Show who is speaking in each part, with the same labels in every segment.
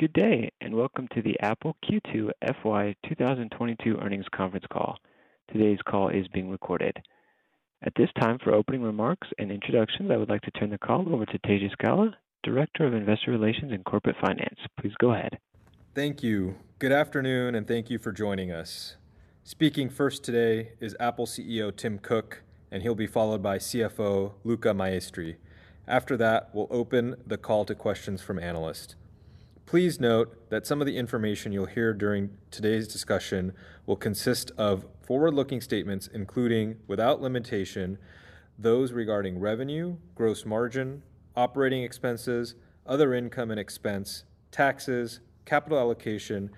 Speaker 1: Good day, and welcome to the Apple Q2 FY 2022 earnings conference call. Today's call is being recorded. At this time, for opening remarks and introductions, I would like to turn the call over to Tejas Gala, Director of Investor Relations and Corporate Finance. Please go ahead.
Speaker 2: Thank you. Good afternoon, and thank you for joining us. Speaking first today is Apple CEO Tim Cook, and he'll be followed by CFO Luca Maestri. After that, we'll open the call to questions from analysts. Please note that some of the information you'll hear during today's discussion will consist of forward-looking statements, including, without limitation, those regarding revenue, gross margin, operating expenses, other income and expense, taxes, capital allocation,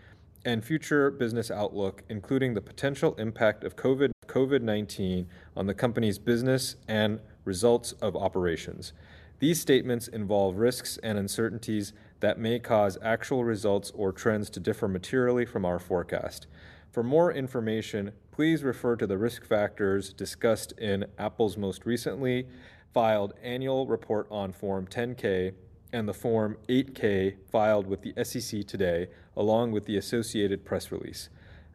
Speaker 2: and future business outlook, including the potential impact of COVID-19 on the company's business and results of operations. These statements involve risks and uncertainties that may cause actual results or trends to differ materially from our forecast. For more information, please refer to the risk factors discussed in Apple's most recently filed annual report on Form 10-K and the Form 8-K filed with the SEC today, along with the associated press release.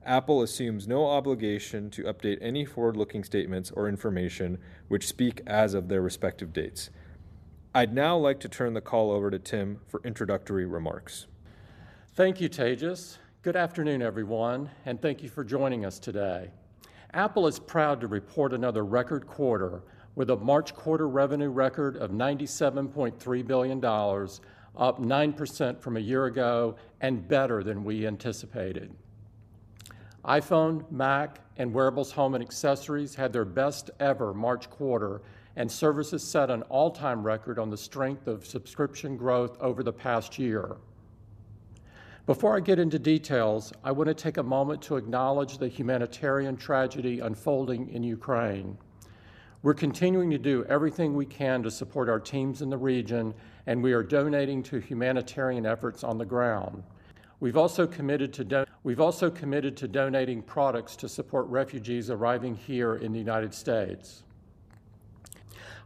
Speaker 2: Apple assumes no obligation to update any forward-looking statements or information which speak as of their respective dates. I'd now like to turn the call over to Tim for introductory remarks.
Speaker 3: Thank you, Tejas. Good afternoon, everyone, and thank you for joining us today. Apple is proud to report another record quarter with a March quarter revenue record of $97.3 billion, up 9% from a year ago and better than we anticipated. iPhone, Mac, and Wearables, Home and Accessories had their best ever March quarter, and Services set an all-time record on the strength of subscription growth over the past year. Before I get into details, I want to take a moment to acknowledge the humanitarian tragedy unfolding in Ukraine. We're continuing to do everything we can to support our teams in the region, and we are donating to humanitarian efforts on the ground. We've also committed to donating products to support refugees arriving here in the United States.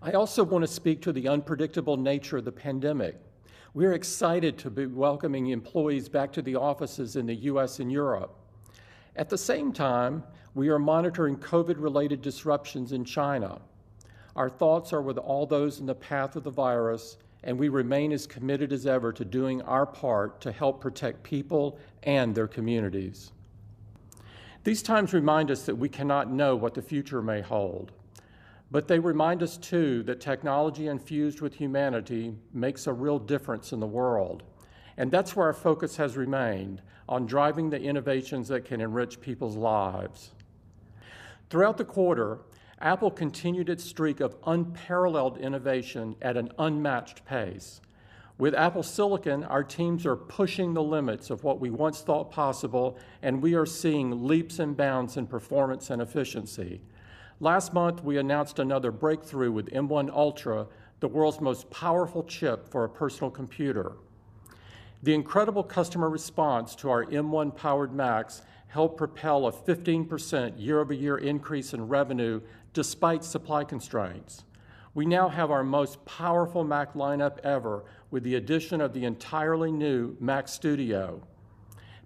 Speaker 3: I also want to speak to the unpredictable nature of the pandemic. We're excited to be welcoming employees back to the offices in the U.S. and Europe. At the same time, we are monitoring COVID-related disruptions in China. Our thoughts are with all those in the path of the virus, and we remain as committed as ever to doing our part to help protect people and their communities. These times remind us that we cannot know what the future may hold, but they remind us too that technology infused with humanity makes a real difference in the world. That's where our focus has remained, on driving the innovations that can enrich people's lives. Throughout the quarter, Apple continued its streak of unparalleled innovation at an unmatched pace. With Apple silicon, our teams are pushing the limits of what we once thought possible, and we are seeing leaps and bounds in performance and efficiency. Last month, we announced another breakthrough with M1 Ultra, the world's most powerful chip for a personal computer. The incredible customer response to our M1-powered Macs helped propel a 15% year-over-year increase in revenue despite supply constraints. We now have our most powerful Mac lineup ever with the addition of the entirely new Mac Studio.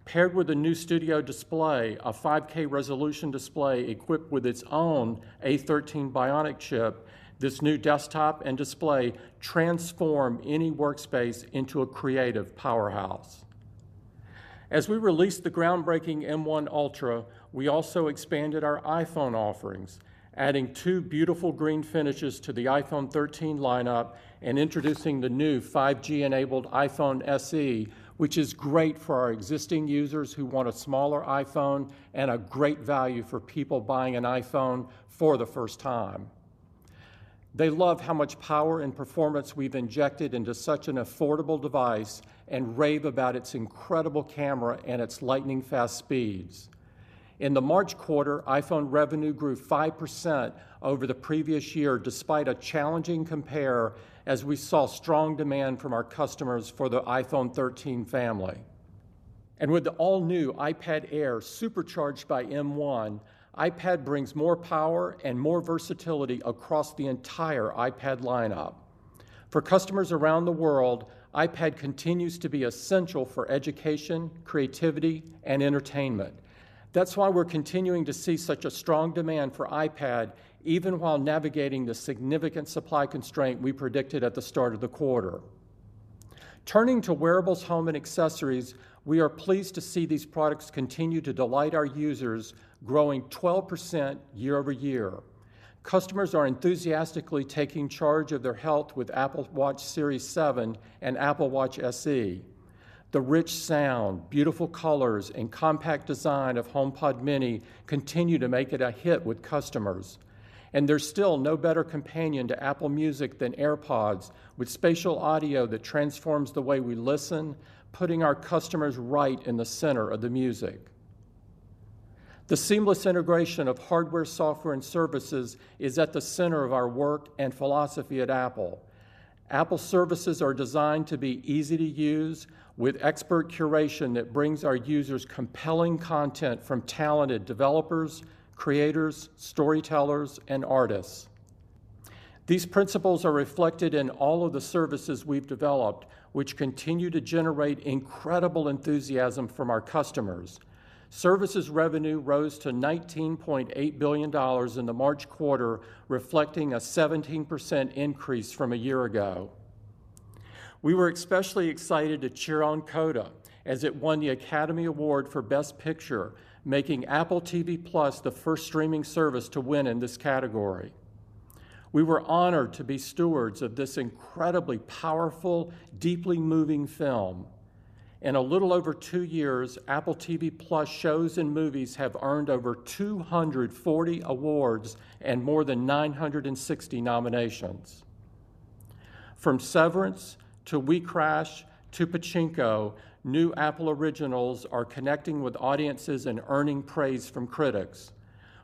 Speaker 3: Paired with the new Studio Display, a 5K-resolution display equipped with its own A13 Bionic chip, this new desktop and display transform any workspace into a creative powerhouse. As we released the groundbreaking M1 Ultra, we also expanded our iPhone offerings, adding two beautiful green finishes to the iPhone 13 lineup and introducing the new 5G-enabled iPhone SE, which is great for our existing users who want a smaller iPhone and a great value for people buying an iPhone for the first time. They love how much power and performance we've injected into such an affordable device and rave about its incredible camera and its lightning-fast speeds. In the March quarter, iPhone revenue grew 5% over the previous year despite a challenging compare as we saw strong demand from our customers for the iPhone 13 family. With the all-new iPad Air supercharged by M1, iPad brings more power and more versatility across the entire iPad lineup. For customers around the world, iPad continues to be essential for education, creativity, and entertainment. That's why we're continuing to see such a strong demand for iPad even while navigating the significant supply constraint we predicted at the start of the quarter. Turning to Wearables, Home and Accessories, we are pleased to see these products continue to delight our users, growing 12% year-over-year. Customers are enthusiastically taking charge of their health with Apple Watch Series 7 and Apple Watch SE. The rich sound, beautiful colors, and compact design of HomePod mini continue to make it a hit with customers. There's still no better companion to Apple Music than AirPods with spatial audio that transforms the way we listen, putting our customers right in the center of the music. The seamless integration of hardware, software, and services is at the center of our work and philosophy at Apple. Apple services are designed to be easy to use with expert curation that brings our users compelling content from talented developers, creators, storytellers, and artists. These principles are reflected in all of the services we've developed, which continue to generate incredible enthusiasm from our customers. Services revenue rose to $19.8 billion in the March quarter, reflecting a 17% increase from a year ago. We were especially excited to cheer on CODA as it won the Academy Award for Best Picture, making Apple TV+ the first streaming service to win in this category. We were honored to be stewards of this incredibly powerful, deeply moving film. In a little over two years, Apple TV+ shows and movies have earned over 240 awards and more than 960 nominations. From Severance to WeCrashed to Pachinko, new Apple originals are connecting with audiences and earning praise from critics.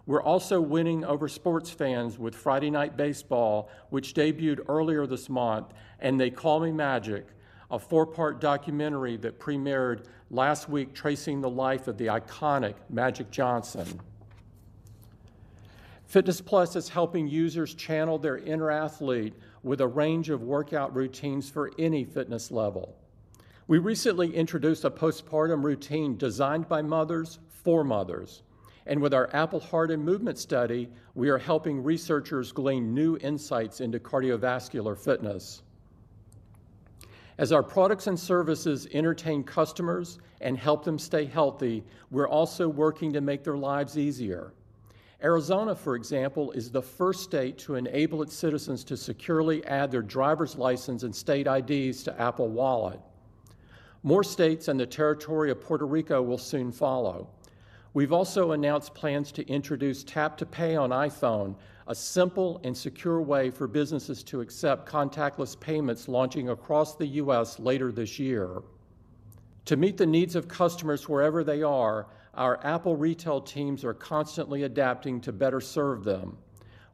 Speaker 3: We're also winning over sports fans with Friday Night Baseball, which debuted earlier this month, and They Call Me Magic, a four-part documentary that premiered last week tracing the life of the iconic Magic Johnson. Fitness+ is helping users channel their inner athlete with a range of workout routines for any fitness level. We recently introduced a postpartum routine designed by mothers for mothers. With our Apple Heart and Movement Study, we are helping researchers glean new insights into cardiovascular fitness. As our products and services entertain customers and help them stay healthy, we're also working to make their lives easier. Arizona, for example, is the first state to enable its citizens to securely add their driver's license and state IDs to Apple Wallet. More states and the territory of Puerto Rico will soon follow. We've also announced plans to introduce Tap to Pay on iPhone, a simple and secure way for businesses to accept contactless payments launching across the U.S. later this year. To meet the needs of customers wherever they are, our Apple retail teams are constantly adapting to better serve them.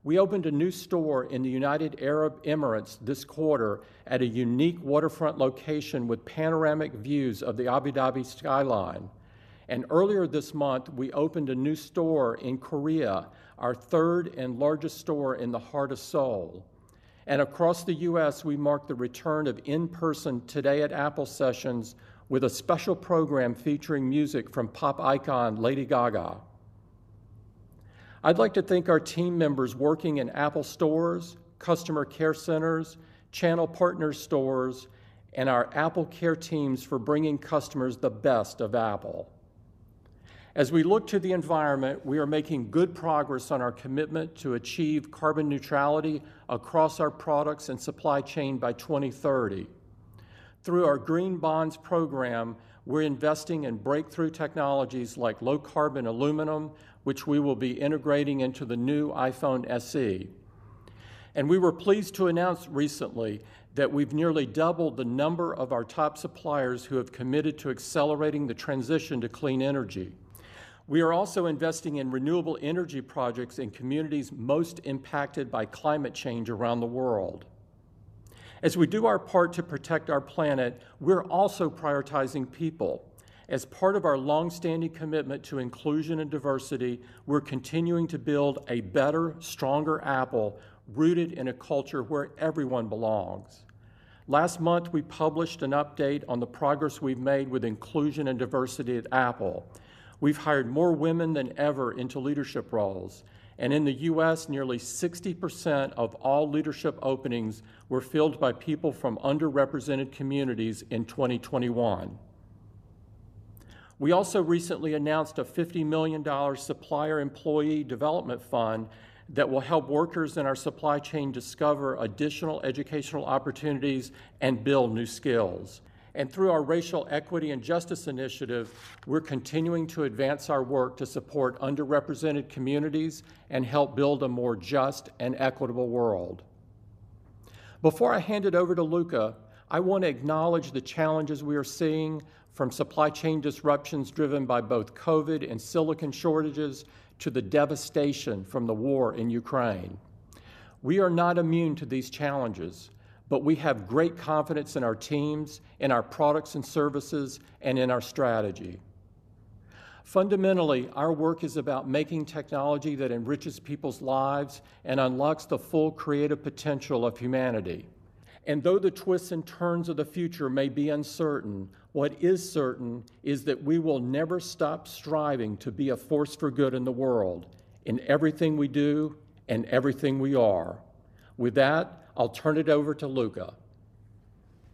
Speaker 3: We opened a new store in the United Arab Emirates this quarter at a unique waterfront location with panoramic views of the Abu Dhabi skyline. Earlier this month, we opened a new store in Korea, our third and largest store in the heart of Seoul. Across the U.S., we marked the return of in-person Today at Apple sessions with a special program featuring music from pop icon Lady Gaga. I'd like to thank our team members working in Apple stores, customer care centers, channel partner stores, and our AppleCare teams for bringing customers the best of Apple. As we look to the environment, we are making good progress on our commitment to achieve carbon neutrality across our products and supply chain by 2030. Through our Green Bonds program, we're investing in breakthrough technologies like low-carbon aluminum, which we will be integrating into the new iPhone SE. We were pleased to announce recently that we've nearly doubled the number of our top suppliers who have committed to accelerating the transition to clean energy. We are also investing in renewable energy projects in communities most impacted by climate change around the world. As we do our part to protect our planet, we're also prioritizing people. As part of our long-standing commitment to inclusion and diversity, we're continuing to build a better, stronger Apple rooted in a culture where everyone belongs. Last month, we published an update on the progress we've made with inclusion and diversity at Apple. We've hired more women than ever into leadership roles, and in the US, nearly 60% of all leadership openings were filled by people from underrepresented communities in 2021. We also recently announced a $50 million supplier employee development fund that will help workers in our supply chain discover additional educational opportunities and build new skills. Through our Racial Equity and Justice Initiative, we're continuing to advance our work to support underrepresented communities and help build a more just and equitable world. Before I hand it over to Luca, I want to acknowledge the challenges we are seeing from supply chain disruptions driven by both COVID and silicon shortages to the devastation from the war in Ukraine. We are not immune to these challenges, but we have great confidence in our teams, in our products and services, and in our strategy. Fundamentally, our work is about making technology that enriches people's lives and unlocks the full creative potential of humanity. Though the twists and turns of the future may be uncertain, what is certain is that we will never stop striving to be a force for good in the world in everything we do and everything we are. With that, I'll turn it over to Luca.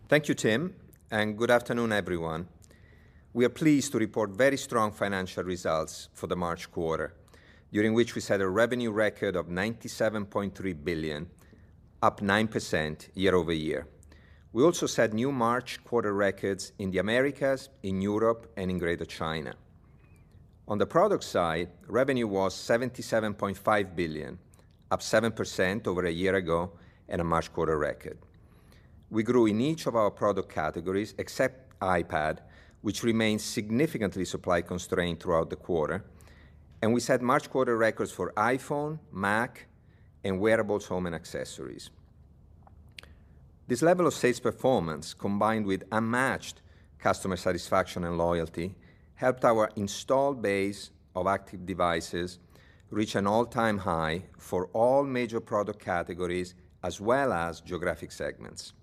Speaker 4: Thank you, Tim, and good afternoon, everyone. We are pleased to report very strong financial results for the March quarter, during which we set a revenue record of $97.3 billion, up 9% year-over-year. We also set new March quarter records in the Americas, in Europe, and in Greater China. On the product side, revenue was $77.5 billion, up 7% over a year ago and a March quarter record. We grew in each of our product categories except iPad, which remains significantly supply-constrained throughout the quarter. We set March quarter records for iPhone, Mac, and Wearables, Home and Accessories. This level of sales performance, combined with unmatched customer satisfaction and loyalty, helped our installed base of active devices reach an all-time high for all major product categories as well as geographic segments.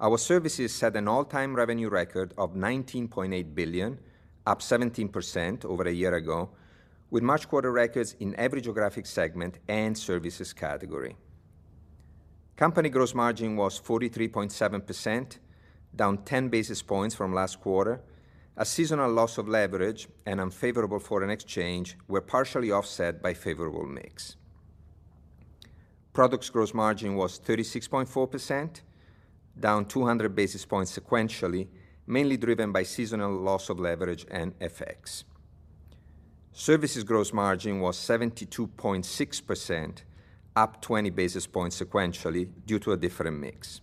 Speaker 4: Our services set an all-time revenue record of $19.8 billion, up 17% over a year ago, with March quarter records in every geographic segment and services category. Company gross margin was 43.7%, down 10 basis points from last quarter. A seasonal loss of leverage and unfavorable foreign exchange were partially offset by favorable mix. Products gross margin was 36.4%, down 200 basis points sequentially, mainly driven by seasonal loss of leverage and FX. Services gross margin was 72.6%, up 20 basis points sequentially due to a different mix.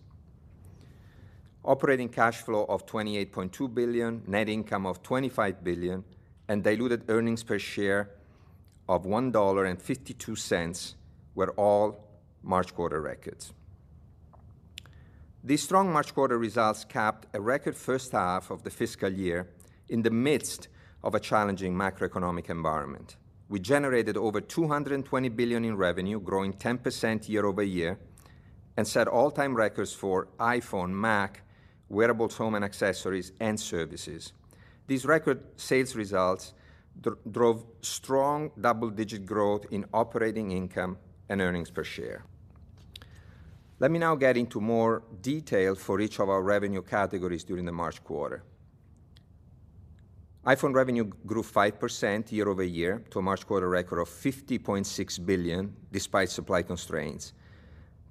Speaker 4: Operating cash flow of $28.2 billion, net income of $25 billion, and diluted earnings per share of $1.52 were all March quarter records. These strong March quarter results capped a record first half of the fiscal year in the midst of a challenging macroeconomic environment. We generated over $220 billion in revenue, growing 10% year-over-year, and set all-time records for iPhone, Mac, Wearables, Home and Accessories, and Services. These record sales results drove strong double-digit growth in operating income and earnings per share. Let me now get into more detail for each of our revenue categories during the March quarter. iPhone revenue grew 5% year-over-year to a March quarter record of $50.6 billion, despite supply constraints,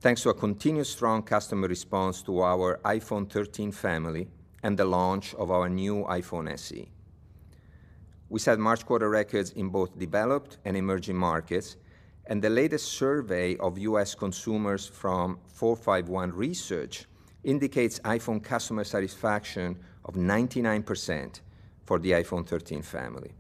Speaker 4: thanks to a continued strong customer response to our iPhone 13 family and the launch of our new iPhone SE. We set March quarter records in both developed and emerging markets, and the latest survey of U.S. consumers from 451 Research indicates iPhone customer satisfaction of 99% for the iPhone 13 family.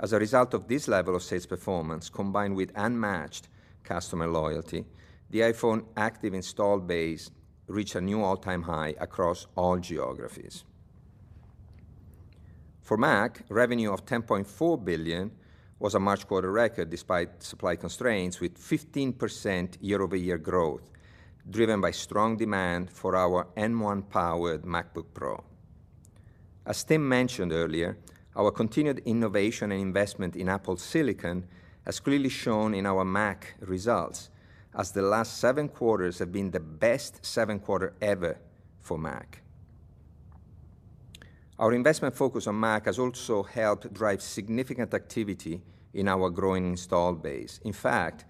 Speaker 4: As a result of this level of sales performance, combined with unmatched customer loyalty, the iPhone active installed base reached a new all-time high across all geographies. For Mac, revenue of $10.4 billion was a March quarter record despite supply constraints with 15% year-over-year growth, driven by strong demand for our M1-powered MacBook Pro. As Tim mentioned earlier, our continued innovation and investment in Apple silicon has clearly shown in our Mac results as the last 7 quarters have been the best seven quarter ever for Mac. Our investment focus on Mac has also helped drive significant activity in our growing installed base. In fact,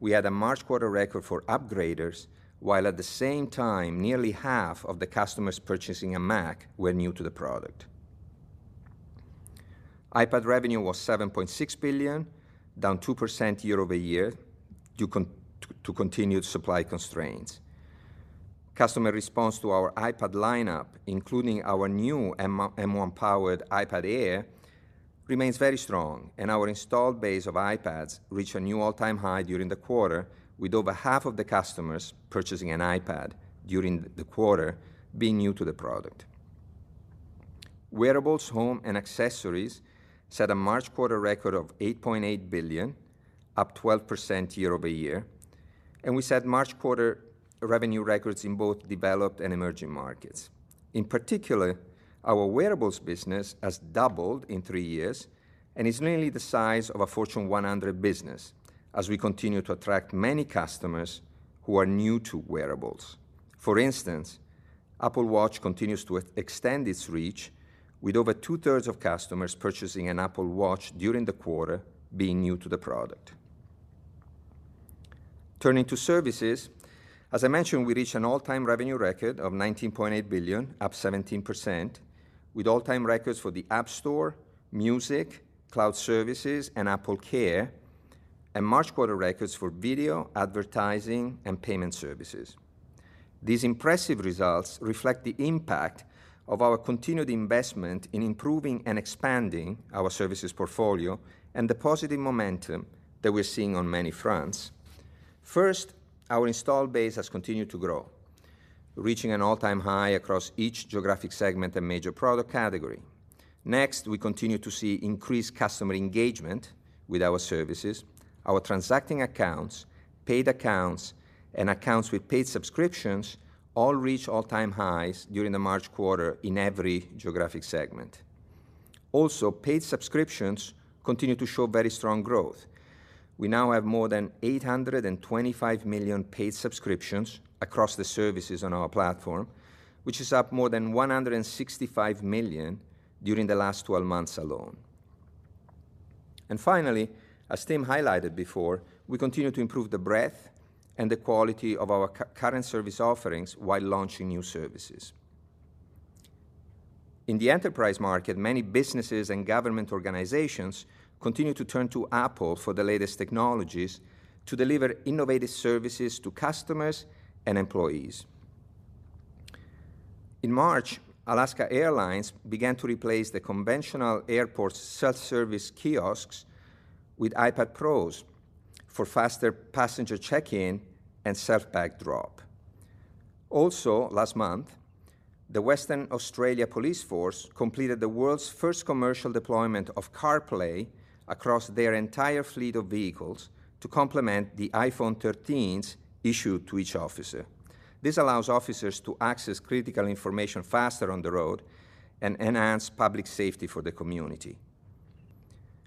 Speaker 4: we had a March quarter record for upgraders, while at the same time nearly half of the customers purchasing a Mac were new to the product. iPad revenue was $7.6 billion, down 2% year-over-year due to continued supply constraints. Customer response to our iPad lineup, including our new M1-powered iPad Air, remains very strong, and our installed base of iPads reached a new all-time high during the quarter, with over half of the customers purchasing an iPad during the quarter being new to the product. Wearables, Home and Accessories set a March quarter record of $8.8 billion, up 12% year-over-year, and we set March quarter revenue records in both developed and emerging markets. In particular, our wearables business has doubled in three years and is nearly the size of a Fortune 100 business as we continue to attract many customers who are new to wearables. For instance, Apple Watch continues to extend its reach, with over two-thirds of customers purchasing an Apple Watch during the quarter being new to the product. Turning to services, as I mentioned, we reached an all-time revenue record of $19.8 billion, up 17%, with all-time records for the App Store, Music, cloud services, and AppleCare, and March quarter records for video, advertising, and payment services. These impressive results reflect the impact of our continued investment in improving and expanding our services portfolio and the positive momentum that we're seeing on many fronts. First, our installed base has continued to grow, reaching an all-time high across each geographic segment and major product category. Next, we continue to see increased customer engagement with our services. Our transacting accounts, paid accounts, and accounts with paid subscriptions all reached all-time highs during the March quarter in every geographic segment. Also, paid subscriptions continue to show very strong growth. We now have more than 825 million paid subscriptions across the services on our platform, which is up more than 165 million during the last 12 months alone. Finally, as Tim highlighted before, we continue to improve the breadth and the quality of our current service offerings while launching new services. In the enterprise market, many businesses and government organizations continue to turn to Apple for the latest technologies to deliver innovative services to customers and employees. In March, Alaska Airlines began to replace the conventional airport self-service kiosks with iPad Pros for faster passenger check-in and self bag drop. Also last month, the Western Australia Police Force completed the world's first commercial deployment of CarPlay across their entire fleet of vehicles to complement the iPhone 13s issued to each officer. This allows officers to access critical information faster on the road and enhance public safety for the community.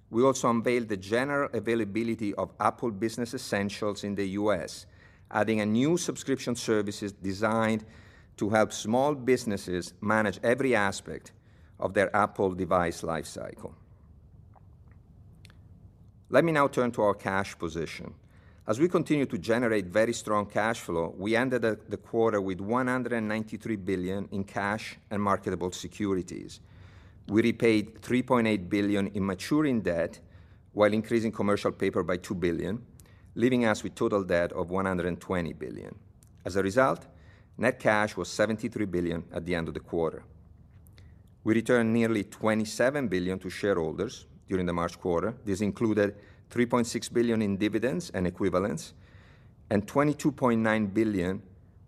Speaker 4: We also unveiled the general availability of Apple Business Essentials in the U.S., adding a new subscription services designed to help small businesses manage every aspect of their Apple device lifecycle. Let me now turn to our cash position. As we continue to generate very strong cash flow, we ended the quarter with $193 billion in cash and marketable securities. We repaid $3.8 billion in maturing debt while increasing commercial paper by $2 billion, leaving us with total debt of $120 billion. As a result, net cash was $73 billion at the end of the quarter. We returned nearly $27 billion to shareholders during the March quarter. This included $3.6 billion in dividends and equivalents and $22.9 billion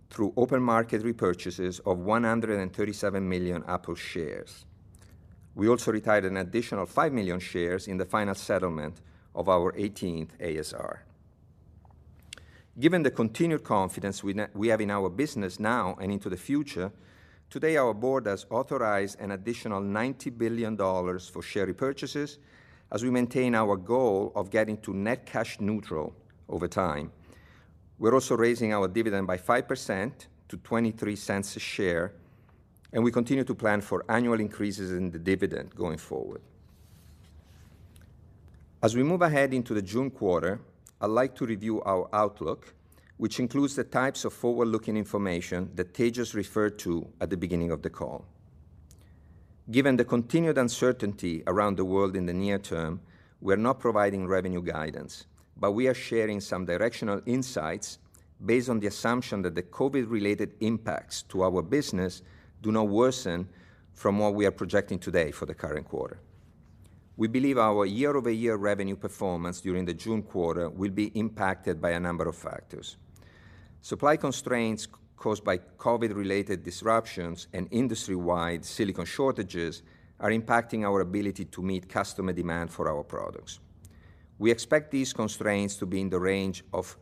Speaker 4: through open market repurchases of 137 million Apple shares. We also retired an additional 5 million shares in the final settlement of our 18th ASR. Given the continued confidence we have in our business now and into the future, today our board has authorized an additional $90 billion for share repurchases as we maintain our goal of getting to net cash neutral over time. We're also raising our dividend by 5% to $0.23 a share, and we continue to plan for annual increases in the dividend going forward. As we move ahead into the June quarter, I'd like to review our outlook, which includes the types of forward-looking information that Tejas referred to at the beginning of the call. Given the continued uncertainty around the world in the near term, we're not providing revenue guidance, but we are sharing some directional insights based on the assumption that the COVID-related impacts to our business do not worsen from what we are projecting today for the current quarter. We believe our year-over-year revenue performance during the June quarter will be impacted by a number of factors. Supply constraints caused by COVID-related disruptions and industry-wide silicon shortages are impacting our ability to meet customer demand for our products. We expect these constraints to be in the range of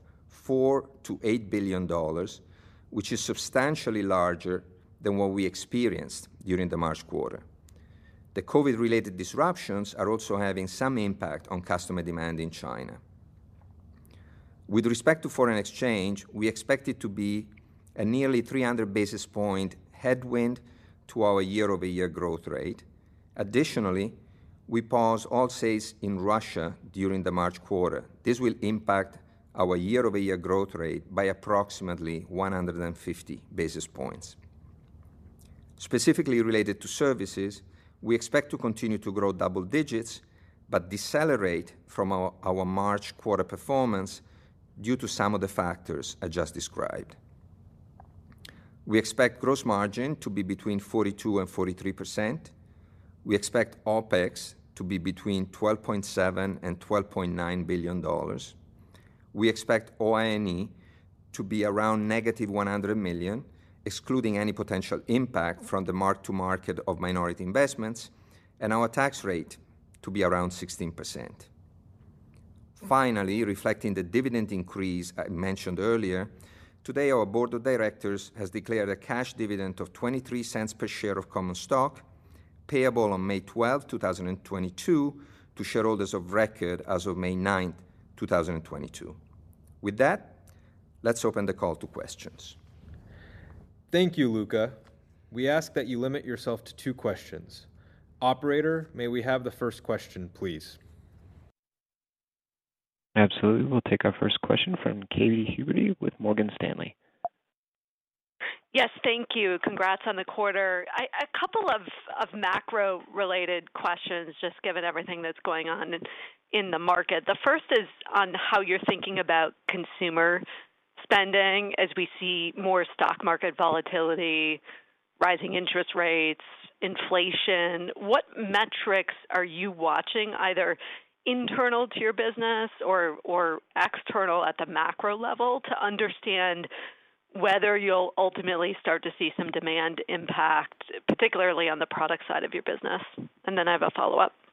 Speaker 4: $4 billion to $8 billion, which is substantially larger than what we experienced during the March quarter. The COVID-related disruptions are also having some impact on customer demand in China. With respect to foreign exchange, we expect it to be a nearly 300 basis point headwind to our year-over-year growth rate. Additionally, we paused all sales in Russia during the March quarter. This will impact our year-over-year growth rate by approximately 150 basis points. Specifically related to Services, we expect to continue to grow double digits but decelerate from our March quarter performance due to some of the factors I just described. We expect gross margin to be between 42% to 43%. We expect OpEx to be between $12.7 billion to $12.9 billion. We expect OIE to be around negative $100 million, excluding any potential impact from the mark-to-market of minority investments and our tax rate to be around 16%. Finally, reflecting the dividend increase I mentioned earlier, today our board of directors has declared a cash dividend of $0.23 per share of common stock payable on May twelfth, 2022 to shareholders of record as of May ninth, 2022. With that, let's open the call to questions.
Speaker 2: Thank you, Luca. We ask that you limit yourself to two questions. Operator, may we have the first question, please?
Speaker 1: Absolutely. We'll take our first question from Katy Huberty with Morgan Stanley.
Speaker 5: Yes. Thank you. Congrats on the quarter. A couple of macro-related questions just given everything that's going on in the market. The first is on how you're thinking about consumer spending as we see more stock market volatility, rising interest rates, inflation. What metrics are you watching either internal to your business or external at the macro level to understand whether you'll ultimately start to see some demand impact, particularly on the product side of your business? I have a follow-up.
Speaker 4: Katy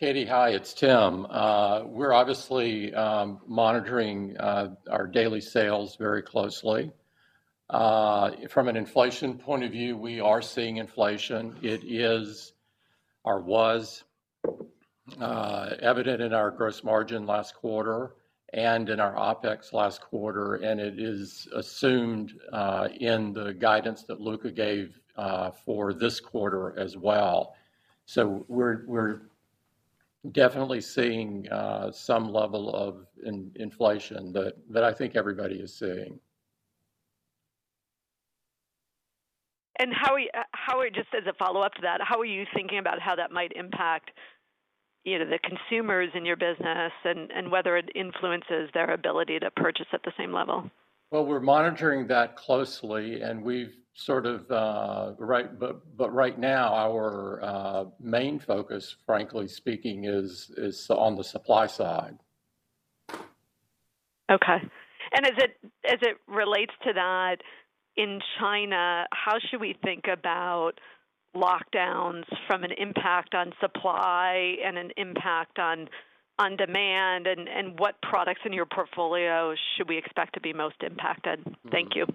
Speaker 4: Huberty, hi, it's Tim Cook. We're obviously monitoring our daily sales very closely. From an inflation point of view, we are seeing inflation. It is or was evident in our gross margin last quarter and in our OpEx last quarter, and it is assumed in the guidance that Luca Maestri gave for this quarter as well. We're definitely seeing some level of inflation that I think everybody is seeing.
Speaker 5: Just as a follow-up to that, how are you thinking about how that might impact you know, the consumers in your business and whether it influences their ability to purchase at the same level.
Speaker 3: Well, we're monitoring that closely. Right now, our main focus, frankly speaking, is on the supply side.
Speaker 5: Okay. As it relates to that, in China, how should we think about lockdowns from an impact on supply and an impact on demand, and what products in your portfolio should we expect to be most impacted? Thank you.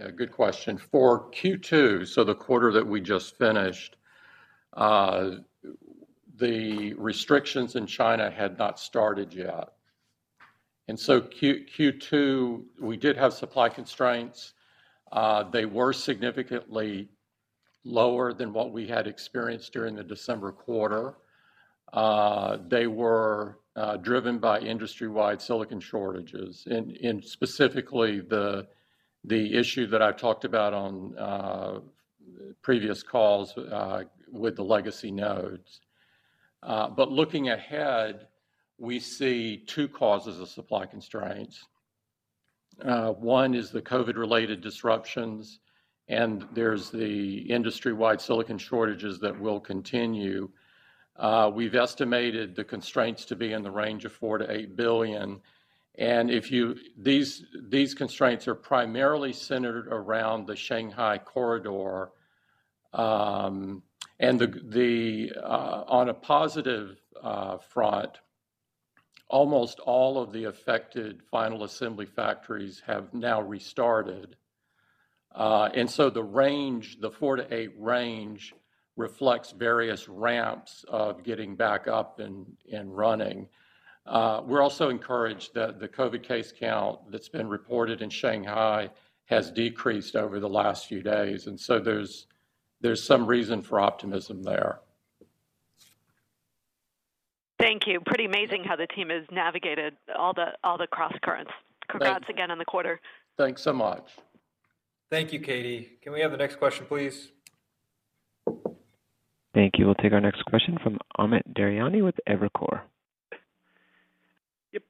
Speaker 3: Yeah, good question. For Q2, so the quarter that we just finished, the restrictions in China had not started yet. Q2, we did have supply constraints. They were significantly lower than what we had experienced during the December quarter. They were driven by industry-wide silicon shortages and specifically the issue that I've talked about on previous calls with the legacy nodes. Looking ahead, we see two causes of supply constraints. One is the COVID-related disruptions, and there's the industry-wide silicon shortages that will continue. We've estimated the constraints to be in the range of $4 billion-$8 billion. These constraints are primarily centered around the Shanghai corridor. On a positive front, almost all of the affected final assembly factories have now restarted. The range, the 4-8 range reflects various ramps of getting back up and running. We're also encouraged that the COVID case count that's been reported in Shanghai has decreased over the last few days, and so there's some reason for optimism there.
Speaker 5: Thank you. Pretty amazing how the team has navigated all the crosscurrents.
Speaker 3: Thank you.
Speaker 5: Congrats again on the quarter.
Speaker 3: Thanks so much.
Speaker 2: Thank you, Katie. Can we have the next question, please?
Speaker 1: Thank you. We'll take our next question from Amit Daryanani with Evercore.
Speaker 6: Yep.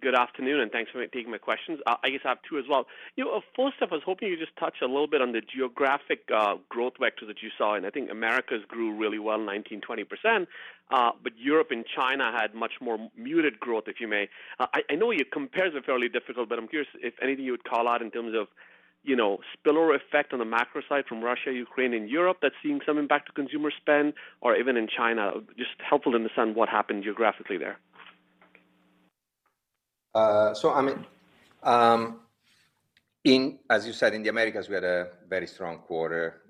Speaker 6: Good afternoon, and thanks for taking my questions. I guess I have two as well. You know, first off, I was hoping you just touch a little bit on the geographic growth vector that you saw, and I think Americas grew really well, 19%-20%, but Europe and China had much more muted growth, if I may. I know your compares are fairly difficult, but I'm curious if anything you would call out in terms of, you know, spillover effect on the macro side from Russia, Ukraine, and Europe that's seeing some impact to consumer spend or even in China. Just helpful to understand what happened geographically there.
Speaker 3: Amit, as you said, in the Americas, we had a very strong quarter,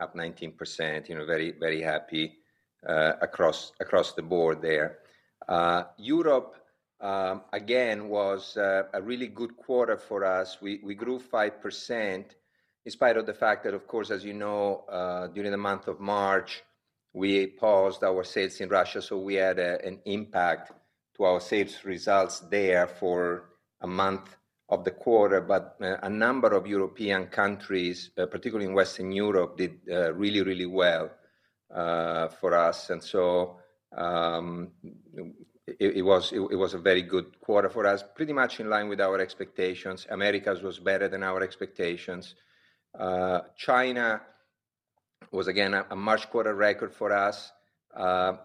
Speaker 3: up 19%, you know, very happy across the board there. Europe, again, was a really good quarter for us. We grew 5% in spite of the fact that, of course, as you know, during the month of March, we paused our sales in Russia, so we had an impact to our sales results there for a month of the quarter. A number of European countries, particularly in Western Europe, did really well for us. It was a very good quarter for us, pretty much in line with our expectations. Americas was better than our expectations. China was again a March quarter record for us.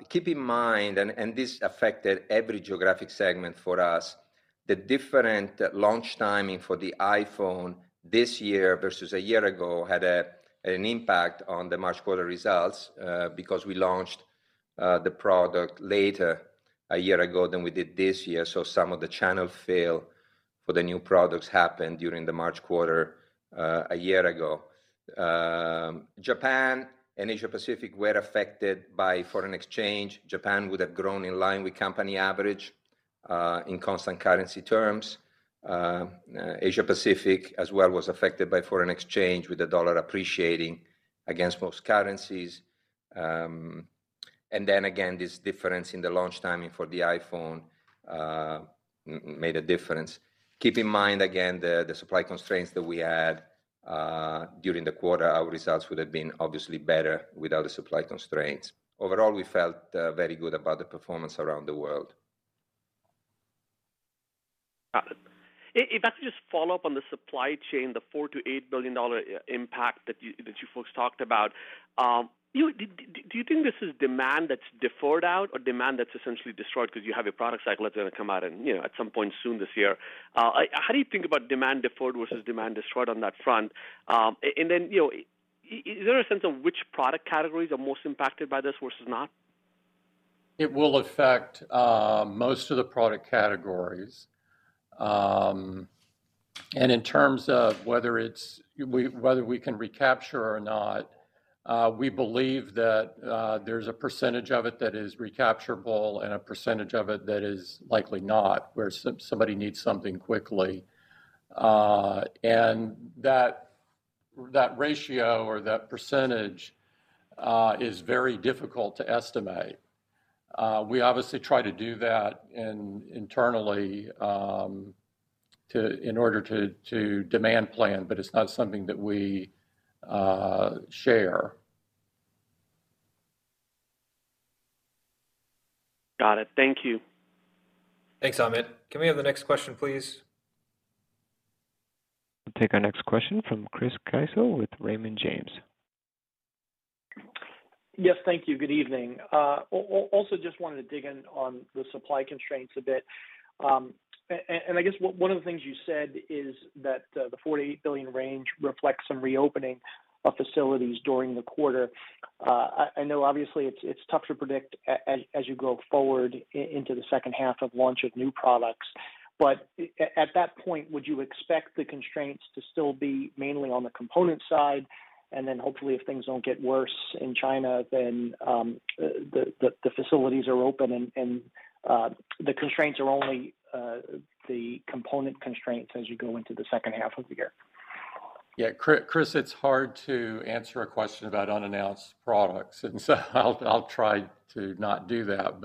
Speaker 3: Keep in mind, this affected every geographic segment for us. The different launch timing for the iPhone this year versus a year ago had an impact on the March quarter results, because we launched the product later a year ago than we did this year. Some of the channel fill for the new products happened during the March quarter a year ago. Japan and Asia Pacific were affected by foreign exchange. Japan would have grown in line with company average in constant currency terms. Asia Pacific as well was affected by foreign exchange with the dollar appreciating against most currencies. This difference in the launch timing for the iPhone made a difference. Keep in mind, again, the supply constraints that we had during the quarter. Our results would have been obviously better without the supply constraints. Overall, we felt very good about the performance around the world.
Speaker 6: If I could just follow up on the supply chain, the $4 billion-$8 billion impact that you folks talked about. You know, do you think this is demand that's deferred out or demand that's essentially destroyed because you have a product cycle that's gonna come out in, you know, at some point soon this year? How do you think about demand deferred versus demand destroyed on that front? And then, you know, is there a sense of which product categories are most impacted by this versus not?
Speaker 3: It will affect most of the product categories. In terms of whether we can recapture or not, we believe that there's a percentage of it that is recapturable and a percentage of it that is likely not, where somebody needs something quickly. That ratio or that percentage is very difficult to estimate. We obviously try to do that internally. In order to demand plan, but it's not something that we share.
Speaker 6: Got it. Thank you.
Speaker 2: Thanks, Amit. Can we have the next question, please?
Speaker 1: We'll take our next question from Chris Caso with Raymond James.
Speaker 7: Yes, thank you. Good evening. Also just wanted to dig in on the supply constraints a bit. And I guess one of the things you said is that the $4 billion-$8 billion range reflects some reopening of facilities during the quarter. I know obviously it's tough to predict as you go forward into the second half of launch of new products. But at that point, would you expect the constraints to still be mainly on the component side? Then hopefully, if things don't get worse in China, the facilities are open and the constraints are only the component constraints as you go into the second half of the year.
Speaker 3: Yeah, Chris, it's hard to answer a question about unannounced products, and so I'll try to not do that.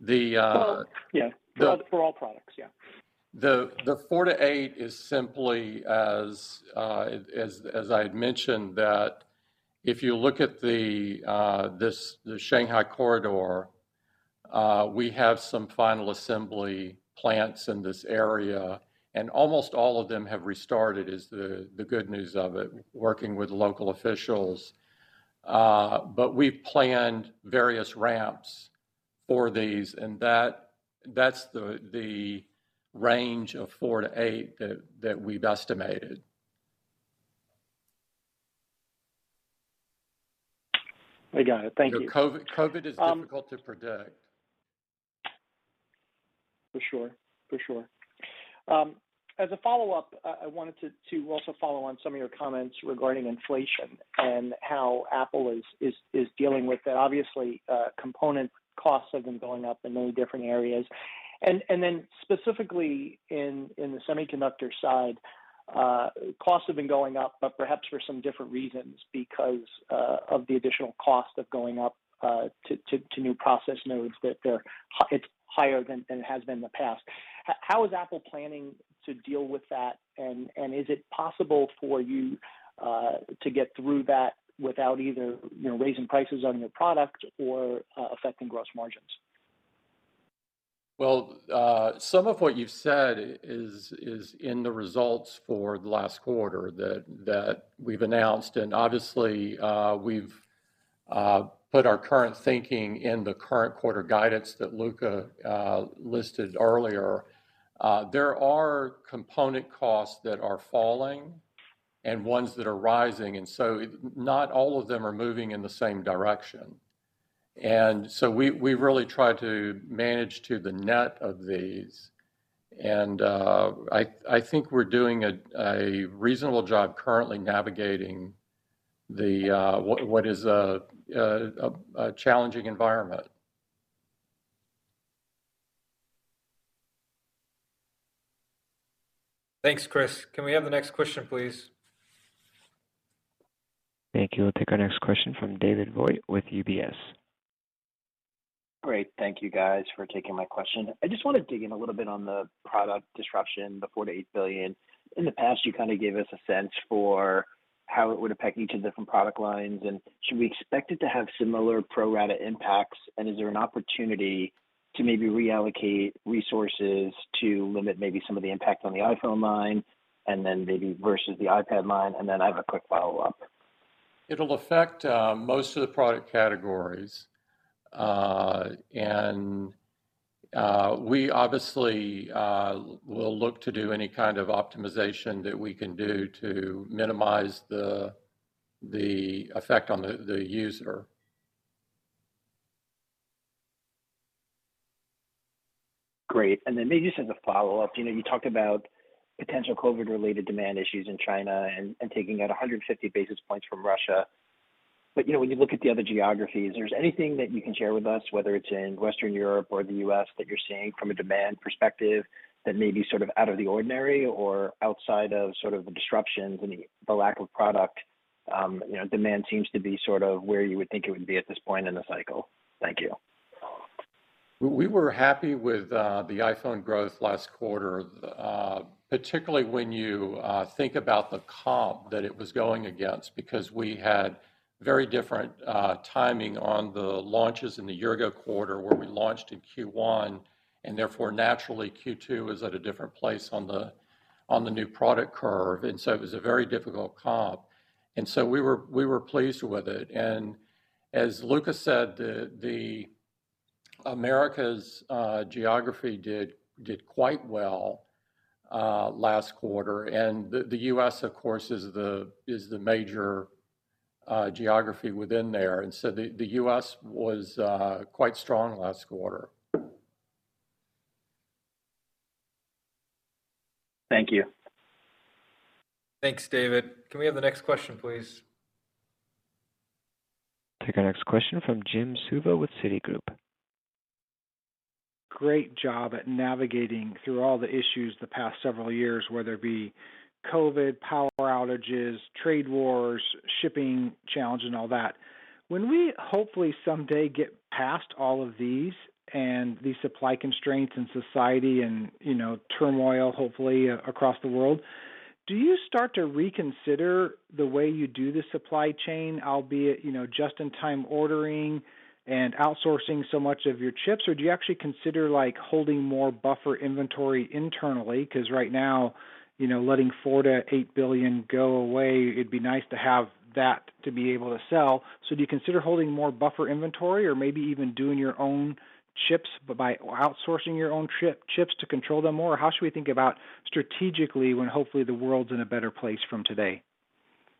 Speaker 3: The
Speaker 7: Well, yeah.
Speaker 3: The-
Speaker 7: For all products, yeah.
Speaker 3: The 4-8 is simply as I had mentioned that if you look at the Shanghai corridor, we have some final assembly plants in this area, and almost all of them have restarted is the good news of it, working with local officials. We've planned various ramps for these and that's the range of 4-8 that we've estimated.
Speaker 7: I got it. Thank you.
Speaker 3: You know, COVID is difficult to predict.
Speaker 7: For sure. As a follow-up, I wanted to also follow on some of your comments regarding inflation and how Apple is dealing with that. Obviously, component costs have been going up in many different areas. Then specifically in the semiconductor side, costs have been going up, but perhaps for some different reasons because of the additional cost of going up to new process nodes that it's higher than it has been in the past. How is Apple planning to deal with that, and is it possible for you to get through that without either, you know, raising prices on your product or affecting gross margins?
Speaker 3: Well, some of what you've said is in the results for the last quarter that we've announced. Obviously, we've put our current thinking in the current quarter guidance that Luca listed earlier. There are component costs that are falling and ones that are rising, not all of them are moving in the same direction. We really try to manage to the net of these. I think we're doing a reasonable job currently navigating what is a challenging environment.
Speaker 2: Thanks, Chris. Can we have the next question, please?
Speaker 1: Thank you. We'll take our next question from David Vogt with UBS.
Speaker 8: Great. Thank you guys for taking my question. I just wanna dig in a little bit on the product disruption, the $4 billion-$8 billion. In the past, you kinda gave us a sense for how it would affect each of the different product lines. Should we expect it to have similar pro rata impacts? Is there an opportunity to maybe reallocate resources to limit maybe some of the impact on the iPhone line and then maybe versus the iPad line? I have a quick follow-up.
Speaker 3: It'll affect most of the product categories. We obviously will look to do any kind of optimization that we can do to minimize the effect on the user.
Speaker 8: Great. Then maybe just as a follow-up, you know, you talked about potential COVID-related demand issues in China and taking out 150 basis points from Russia. But, you know, when you look at the other geographies, is there anything that you can share with us, whether it's in Western Europe or the U.S., that you're seeing from a demand perspective that may be sort of out of the ordinary or outside of sort of the disruptions and the lack of product, you know, demand seems to be sort of where you would think it would be at this point in the cycle? Thank you.
Speaker 3: We were happy with the iPhone growth last quarter, particularly when you think about the comp that it was going against because we had very different timing on the launches in the year ago quarter where we launched in Q1, and therefore naturally Q2 is at a different place on the new product curve. It was a very difficult comp. We were pleased with it. As Luca said, the Americas geography did quite well last quarter. The U.S. of course is the major geography within there. The U.S. was quite strong last quarter.
Speaker 8: Thank you.
Speaker 2: Thanks, David. Can we have the next question, please?
Speaker 1: Take our next question from Jim Suva with Citigroup.
Speaker 9: Great job at navigating through all the issues the past several years, whether it be COVID, power outages, trade wars, shipping challenges, and all that. When we hopefully someday get past all of these and the supply constraints in society and, you know, turmoil, hopefully, across the world, do you start to reconsider the way you do the supply chain, albeit, you know, just-in-time ordering and outsourcing so much of your chips? Or do you actually consider, like, holding more buffer inventory internally? 'Cause right now, you know, letting $4 billion-$8 billion go away, it'd be nice to have that to be able to sell. So do you consider holding more buffer inventory or maybe even doing your own chips or outsourcing your own chips to control them more? How should we think about strategically when hopefully the world's in a better place than today?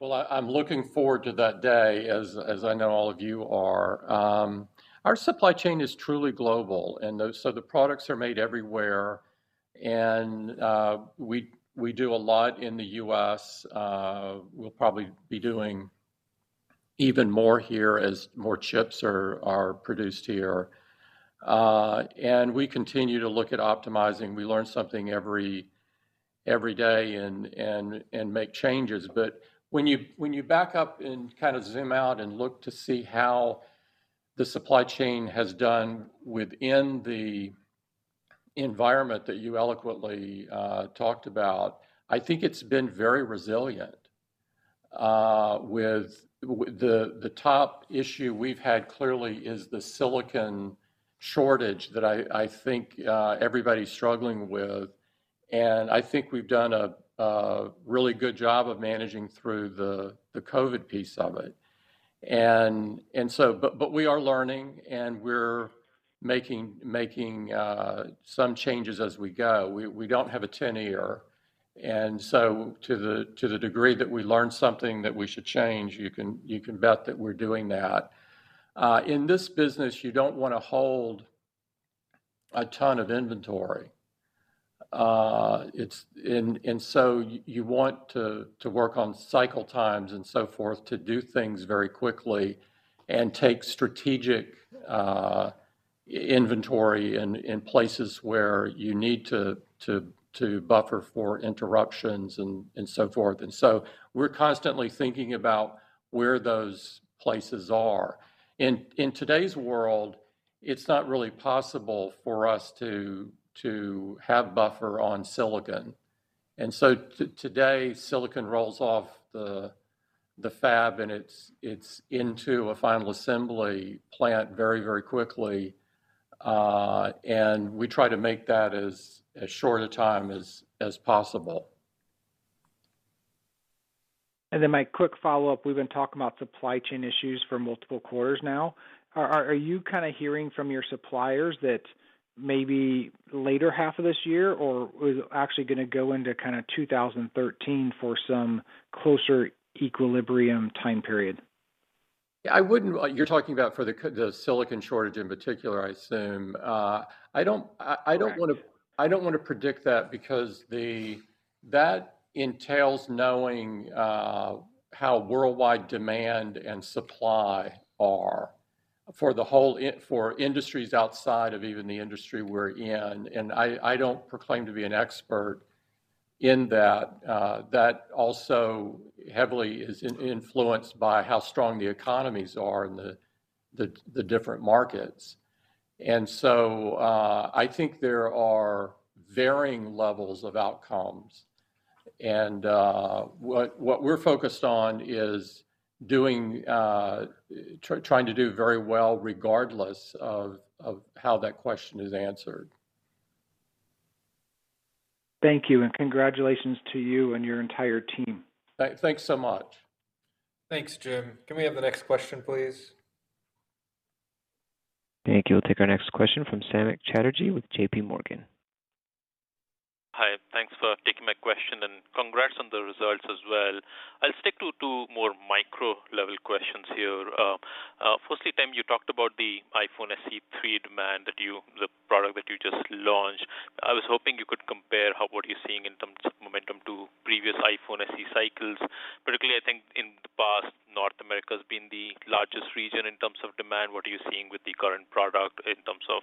Speaker 3: Well, I'm looking forward to that day as I know all of you are. Our supply chain is truly global, so the products are made everywhere and we do a lot in the US. We'll probably be doing even more here as more chips are produced here. We continue to look at optimizing. We learn something every day and make changes. When you back up and kind of zoom out and look to see how the supply chain has done within the environment that you eloquently talked about, I think it's been very resilient. The top issue we've had clearly is the silicon shortage that I think everybody's struggling with, and I think we've done a really good job of managing through the COVID piece of it. But we are learning, and we're making some changes as we go. We don't have a tin ear, and so to the degree that we learn something that we should change, you can bet that we're doing that. In this business, you don't wanna hold a ton of inventory. You want to work on cycle times and so forth to do things very quickly and take strategic inventory in places where you need to buffer for interruptions and so forth. We're constantly thinking about where those places are. In today's world, it's not really possible for us to have buffer on silicon. Today, silicon rolls off the fab, and it's into a final assembly plant very quickly, and we try to make that as short a time as possible.
Speaker 9: My quick follow-up, we've been talking about supply chain issues for multiple quarters now. Are you kind of hearing from your suppliers that maybe later half of this year or is it actually gonna go into kind of 2013 for some closer equilibrium time period?
Speaker 3: Yeah, I wouldn't. You're talking about for the silicon shortage in particular, I assume. I don't-
Speaker 9: Correct.
Speaker 3: I don't wanna predict that because that entails knowing how worldwide demand and supply are for industries outside of even the industry we're in, and I don't proclaim to be an expert in that. That also heavily is influenced by how strong the economies are in the different markets. I think there are varying levels of outcomes, and what we're focused on is trying to do very well regardless of how that question is answered.
Speaker 9: Thank you, and congratulations to you and your entire team.
Speaker 3: Thanks so much.
Speaker 2: Thanks, Jim. Can we have the next question, please?
Speaker 1: Thank you. We'll take our next question from Samik Chatterjee with J.P. Morgan.
Speaker 10: Hi, thanks for taking my question, and congrats on the results as well. I'll stick to two more micro-level questions here. Firstly, Tim, you talked about the iPhone SE 3 demand, the product that you just launched. I was hoping you could compare what you're seeing in terms of momentum to previous iPhone SE cycles. Particularly, I think in the past, North America's been the largest region in terms of demand. What are you seeing with the current product in terms of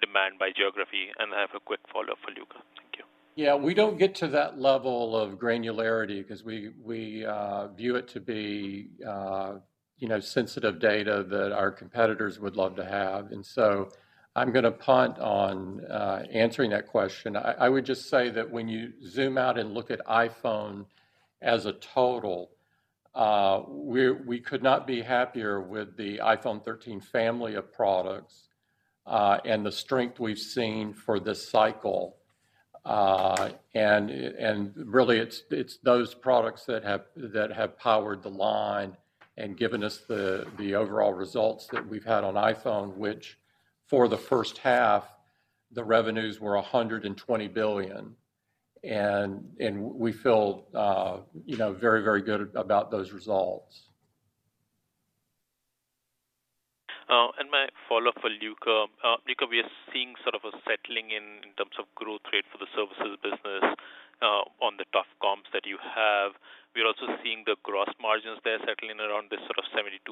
Speaker 10: demand by geography? I have a quick follow-up for Luca. Thank you.
Speaker 3: Yeah, we don't get to that level of granularity because we view it to be, you know, sensitive data that our competitors would love to have. I'm gonna punt on answering that question. I would just say that when you zoom out and look at iPhone as a total, we could not be happier with the iPhone 13 family of products, and the strength we've seen for this cycle. Really it's those products that have powered the line and given us the overall results that we've had on iPhone, which for the first half, the revenues were $120 billion. We feel, you know, very good about those results.
Speaker 10: My follow-up for Luca. Luca, we are seeing sort of a settling in in terms of growth rate for the services business on the tough comps that you have. We are also seeing the gross margins there settling around this sort of 72%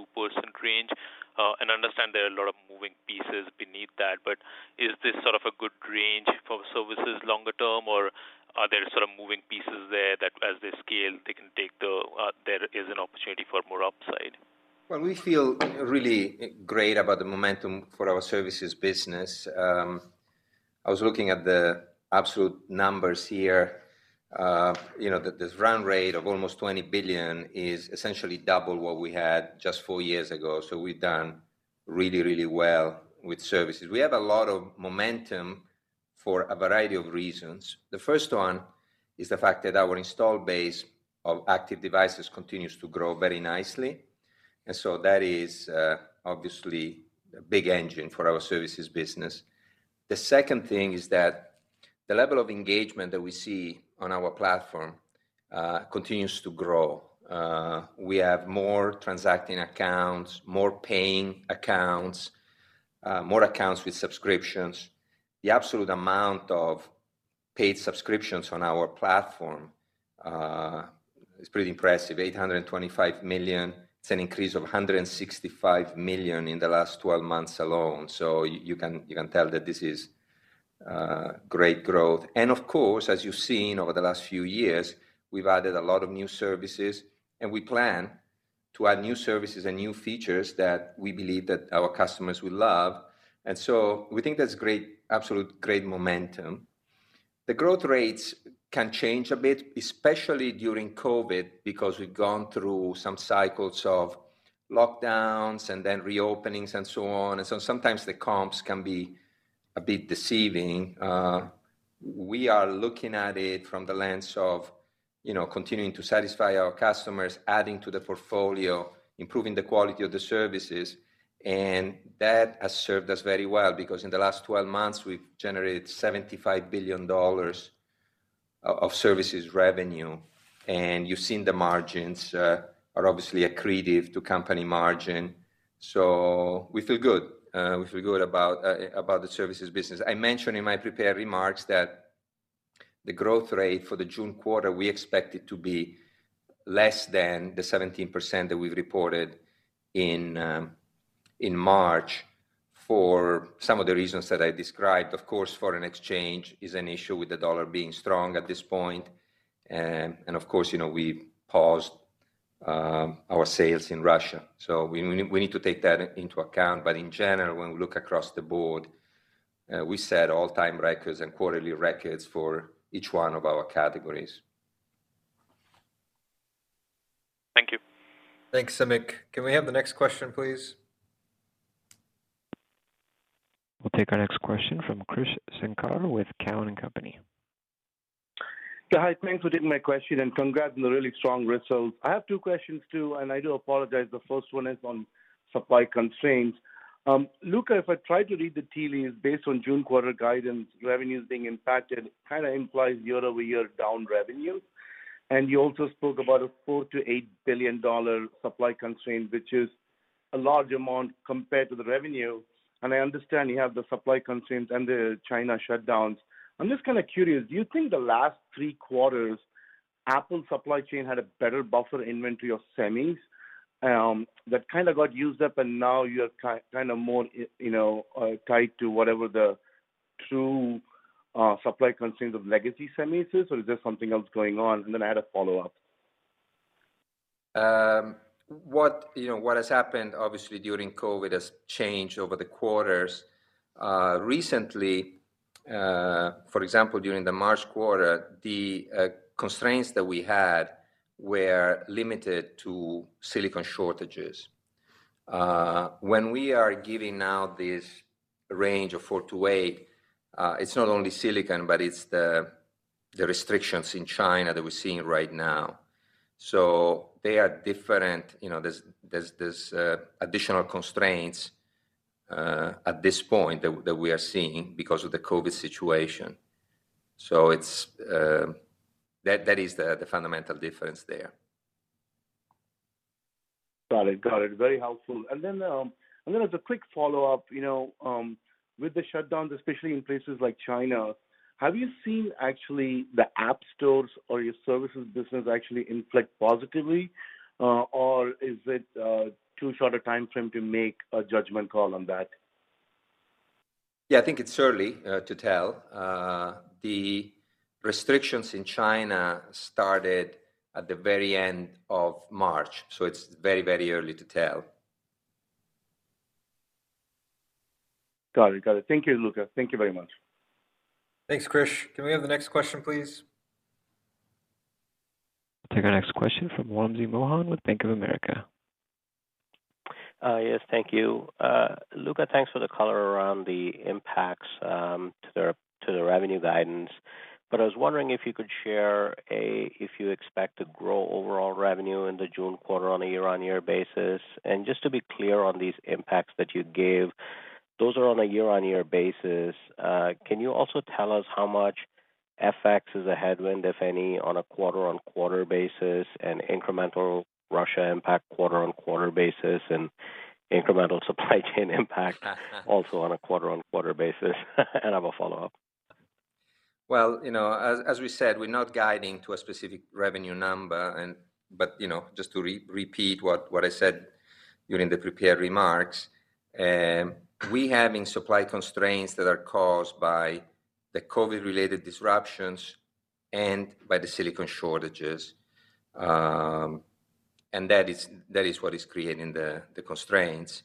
Speaker 10: range. I understand there are a lot of moving pieces beneath that, but is this sort of a good range for services longer term, or are there sort of moving pieces there that as they scale, there is an opportunity for more upside?
Speaker 4: Well, we feel really great about the momentum for our Services business. I was looking at the absolute numbers here. You know, this run rate of almost $20 billion is essentially double what we had just 4 years ago. We've done really, really well with Services. We have a lot of momentum for a variety of reasons. The first one is the fact that our install base of active devices continues to grow very nicely. That is obviously a big engine for our Services business. The second thing is that the level of engagement that we see on our platform continues to grow. We have more transacting accounts, more paying accounts, more accounts with subscriptions. The absolute amount of paid subscriptions on our platform is pretty impressive, 825 million. It's an increase of $165 million in the last 12 months alone. You can tell that this is great growth. Of course, as you've seen over the last few years, we've added a lot of new services, and we plan to add new services and new features that we believe that our customers will love. We think that's absolutely great momentum. The growth rates can change a bit, especially during COVID, because we've gone through some cycles of lockdowns and then reopenings and so on. Sometimes the comps can be a bit deceiving. We are looking at it from the lens of, you know, continuing to satisfy our customers, adding to the portfolio, improving the quality of the services. That has served us very well because in the last 12 months, we've generated $75 billion of Services revenue. You've seen the margins are obviously accretive to company margin. We feel good. We feel good about the Services business. I mentioned in my prepared remarks that the growth rate for the June quarter, we expect it to be less than the 17% that we've reported in March for some of the reasons that I described. Of course, foreign exchange is an issue with the dollar being strong at this point. Of course, you know, we paused our sales in Russia. We need to take that into account. In general, when we look across the board, we set all-time records and quarterly records for each one of our categories.
Speaker 10: Thank you.
Speaker 2: Thanks, Samik. Can we have the next question, please?
Speaker 1: We'll take our next question from Krish Sankar with Cowen and Company.
Speaker 11: Yeah. Hi, thanks for taking my question, and congrats on the really strong results. I have two questions, too, and I do apologize. The first one is on supply constraints. Luca, if I try to read the tea leaves based on June quarter guidance, revenues being impacted, kinda implies year-over-year down revenue. You also spoke about a $4 billion-$8 billion supply constraint, which is a large amount compared to the revenue. I understand you have the supply constraints and the China shutdowns. I'm just kinda curious, do you think the last three quarters, Apple supply chain had a better buffer inventory of semis, that kinda got used up and now you're kinda more, you know, tied to whatever the true supply constraints of legacy semis is? Or is there something else going on? Then I had a follow-up.
Speaker 4: You know what has happened obviously during COVID has changed over the quarters. Recently, for example, during the March quarter, the constraints that we had were limited to silicon shortages. When we are giving out this range of 4-8, it's not only silicon, but it's the restrictions in China that we're seeing right now. They are different. You know, there's additional constraints at this point that we are seeing because of the COVID situation. That is the fundamental difference there.
Speaker 11: Got it. Very helpful. As a quick follow-up, you know, with the shutdowns, especially in places like China, have you seen actually the App Store or your Services business actually inflect positively? Is it too short a timeframe to make a judgment call on that?
Speaker 4: Yeah, I think it's early to tell. The restrictions in China started at the very end of March, so it's very, very early to tell.
Speaker 11: Got it. Thank you, Luca. Thank you very much.
Speaker 2: Thanks, Krish. Can we have the next question, please?
Speaker 1: Take our next question from Wamsi Mohan with Bank of America.
Speaker 12: Yes. Thank you. Luca, thanks for the color around the impacts to the revenue guidance. I was wondering if you could share if you expect to grow overall revenue in the June quarter on a year-over-year basis. Just to be clear on these impacts that you gave, those are on a year-over-year basis. Can you also tell us how much FX is a headwind, if any, on a quarter-over-quarter basis and incremental Russia impact quarter-over-quarter basis and incremental supply chain impact also on a quarter-over-quarter basis? I have a follow-up.
Speaker 4: Well, you know, as we said, we're not guiding to a specific revenue number, but just to repeat what I said during the prepared remarks, we're having supply constraints that are caused by the COVID-19-related disruptions and by the silicon shortages. That is what is creating the constraints.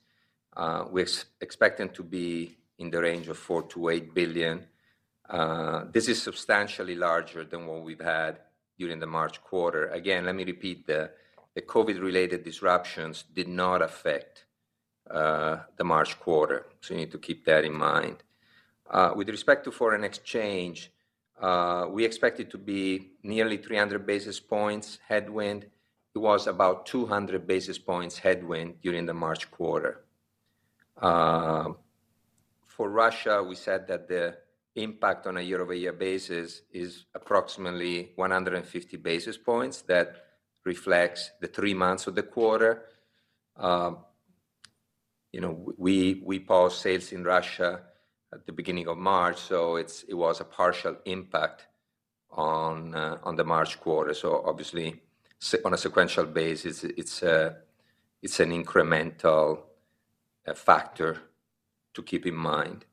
Speaker 4: We expect them to be in the range of $4 billion-$8 billion. This is substantially larger than what we've had during the March quarter. Again, let me repeat, the COVID-19-related disruptions did not affect the March quarter, so you need to keep that in mind. With respect to foreign exchange, we expect it to be nearly 300 basis points headwind. It was about 200 basis points headwind during the March quarter. For Russia, we said that the impact on a year-over-year basis is approximately 150 basis points that reflects the three months of the quarter. You know, we paused sales in Russia at the beginning of March, so it was a partial impact on the March quarter. Obviously, on a sequential basis, it is an incremental factor to keep in mind.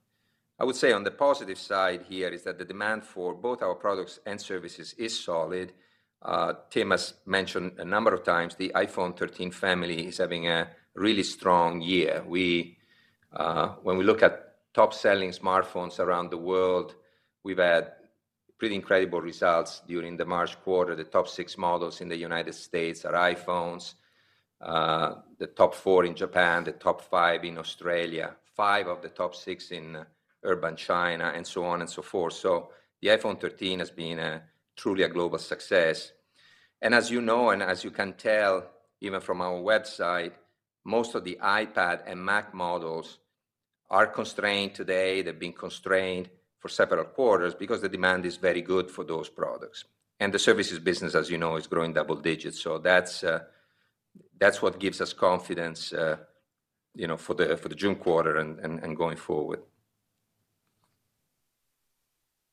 Speaker 4: I would say on the positive side here is that the demand for both our products and services is solid. Tim has mentioned a number of times the iPhone 13 family is having a really strong year. When we look at top-selling smartphones around the world, we have had pretty incredible results during the March quarter. The top six models in the United States are iPhones, the top four in Japan, the top five in Australia, five of the top six in urban China, and so on and so forth. The iPhone 13 has been a truly a global success. As you know, and as you can tell even from our website, most of the iPad and Mac models are constrained today. They've been constrained for several quarters because the demand is very good for those products. The services business, as you know, is growing double digits. That's what gives us confidence, you know, for the June quarter and going forward.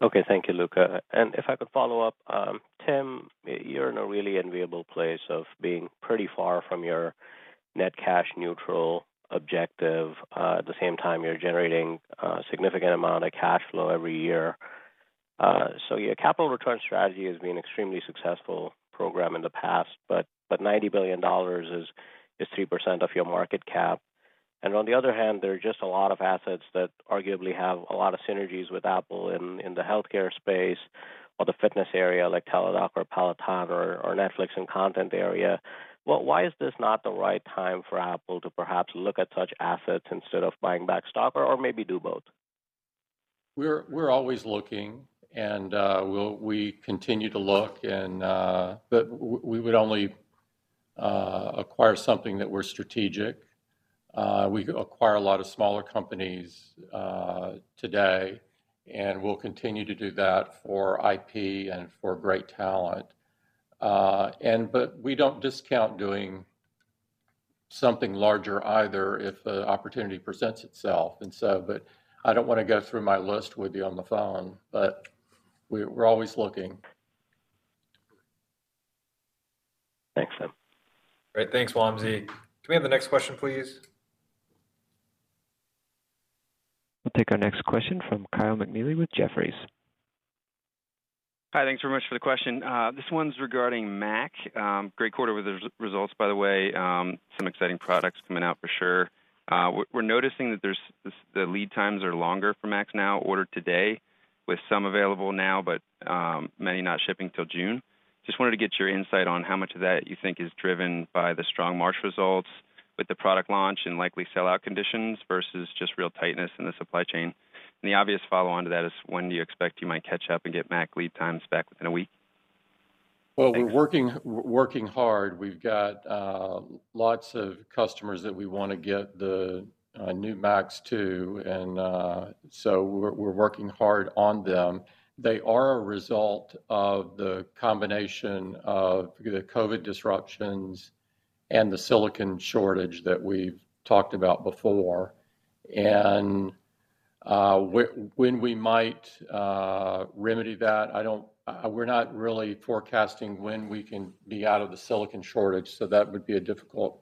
Speaker 12: Okay. Thank you, Luca. If I could follow up, Tim, you're in a really enviable place of being pretty far from your net cash neutral objective. At the same time, you're generating significant amount of cash flow every year. Your capital return strategy has been extremely successful program in the past, but $90 billion is 3% of your market cap. On the other hand, there are just a lot of assets that arguably have a lot of synergies with Apple in the healthcare space or the fitness area like Teladoc or Peloton or Netflix and content area. Well, why is this not the right time for Apple to perhaps look at such assets instead of buying back stock or maybe do both?
Speaker 3: We're always looking, and we continue to look, but we would only acquire something that is strategic. We acquire a lot of smaller companies today, and we'll continue to do that for IP and for great talent. But we don't discount doing something larger either if an opportunity presents itself. I don't wanna go through my list with you on the phone, but we're always looking.
Speaker 12: Thanks, Tim.
Speaker 2: Great. Thanks, Wamsi. Can we have the next question, please?
Speaker 1: We'll take our next question from Kyle McNealy with Jefferies.
Speaker 13: Hi. Thanks very much for the question. This one's regarding Mac. Great quarter with results, by the way. Some exciting products coming out for sure. We're noticing that the lead times are longer for Macs now ordered today, with some available now, but many not shipping till June. Just wanted to get your insight on how much of that you think is driven by the strong March results with the product launch and likely sellout conditions versus just real tightness in the supply chain. The obvious follow-on to that is when do you expect you might catch up and get Mac lead times back within a week?
Speaker 3: Well, we're working hard. We've got lots of customers that we wanna get the new Macs to, and so we're working hard on them. They are a result of the combination of the COVID disruptions and the silicon shortage that we've talked about before. When we might remedy that, we're not really forecasting when we can be out of the silicon shortage, so that would be a difficult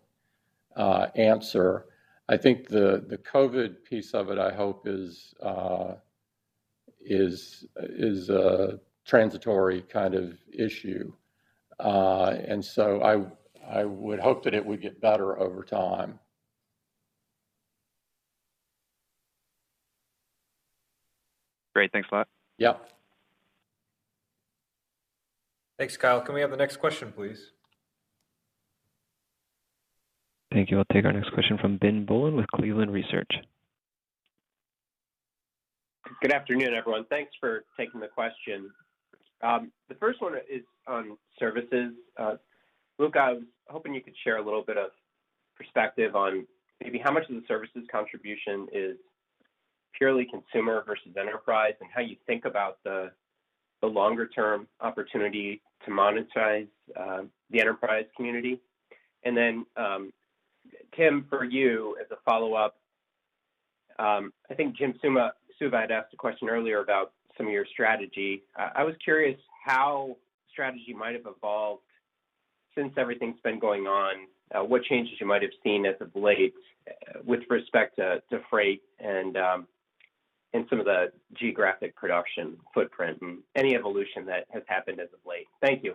Speaker 3: answer. I think the COVID piece of it, I hope is a transitory kind of issue. I would hope that it would get better over time.
Speaker 13: Great. Thanks a lot.
Speaker 3: Yep.
Speaker 2: Thanks, Kyle. Can we have the next question, please?
Speaker 1: Thank you. I'll take our next question from Ben Bollin with Cleveland Research.
Speaker 14: Good afternoon, everyone. Thanks for taking the question. The first one is on Services. Luca, I was hoping you could share a little bit of perspective on maybe how much of the Services contribution is purely consumer versus enterprise and how you think about the longer term opportunity to monetize the enterprise community. Then, Tim, for you as a follow-up. I think Jim Suva had asked a question earlier about some of your strategy. I was curious how strategy might have evolved since everything's been going on, what changes you might have seen as of late, with respect to freight and some of the geographic production footprint, and any evolution that has happened as of late. Thank you.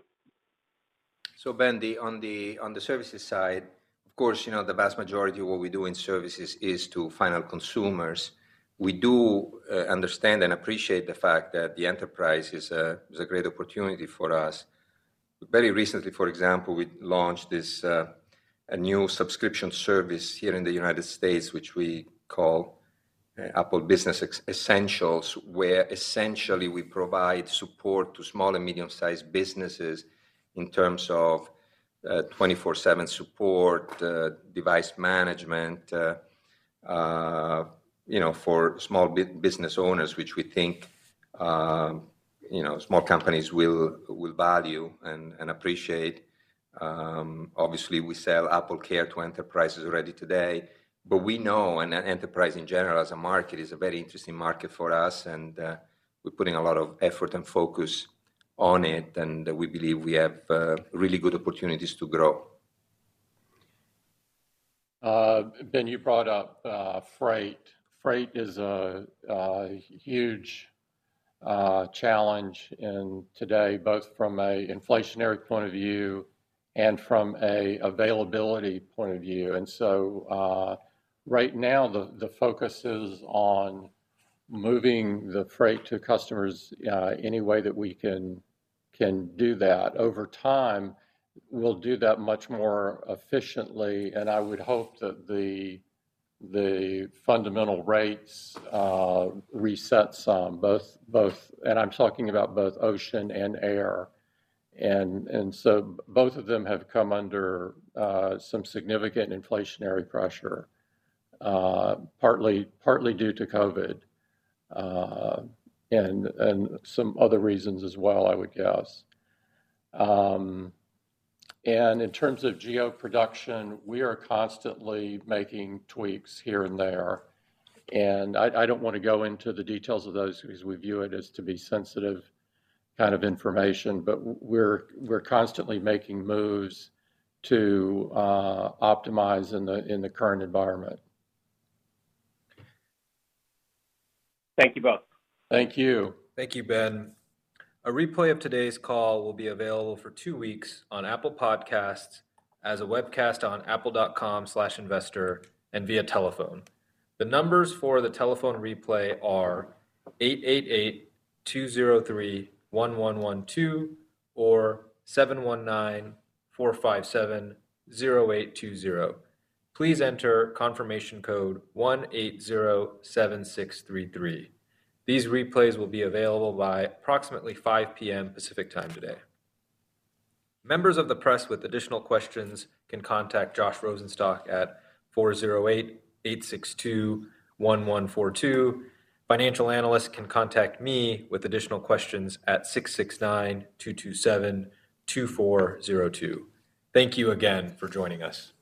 Speaker 4: Ben, on the services side, of course, you know, the vast majority of what we do in services is to final consumers. We do understand and appreciate the fact that the enterprise is a great opportunity for us. Very recently, for example, we launched a new subscription service here in the United States, which we call Apple Business Essentials, where essentially we provide support to small and medium-sized businesses in terms of 24/7 support, device management, you know, for small business owners, which we think, you know, small companies will value and appreciate. Obviously we sell AppleCare to enterprises already today, but we know, and enterprise in general as a market is a very interesting market for us and, we're putting a lot of effort and focus on it, and we believe we have, really good opportunities to grow.
Speaker 3: Ben, you brought up freight. Freight is a huge challenge today, both from an inflationary point of view and from an availability point of view. Right now the focus is on moving the freight to customers any way that we can do that. Over time, we'll do that much more efficiently, and I would hope that the fundamental rates reset some, both. I'm talking about both ocean and air. Both of them have come under some significant inflationary pressure, partly due to COVID, and some other reasons as well, I would guess. In terms of geographic production, we are constantly making tweaks here and there. I don't want to go into the details of those because we view it as to be sensitive kind of information. We're constantly making moves to optimize in the current environment.
Speaker 14: Thank you both.
Speaker 3: Thank you.
Speaker 2: Thank you, Ben. A replay of today's call will be available for two weeks on Apple Podcasts, as a webcast on apple.com/investor, and via telephone. The numbers for the telephone replay are 888-203-1112 or 719-457-0820. Please enter confirmation code 1807633. These replays will be available by approximately 5 P.M. Pacific Time today. Members of the press with additional questions can contact Josh Rosenstock at 408-862-1142. Financial analysts can contact me with additional questions at 669-227-2402. Thank you again for joining us.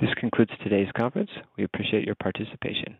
Speaker 1: This concludes today's conference. We appreciate your participation.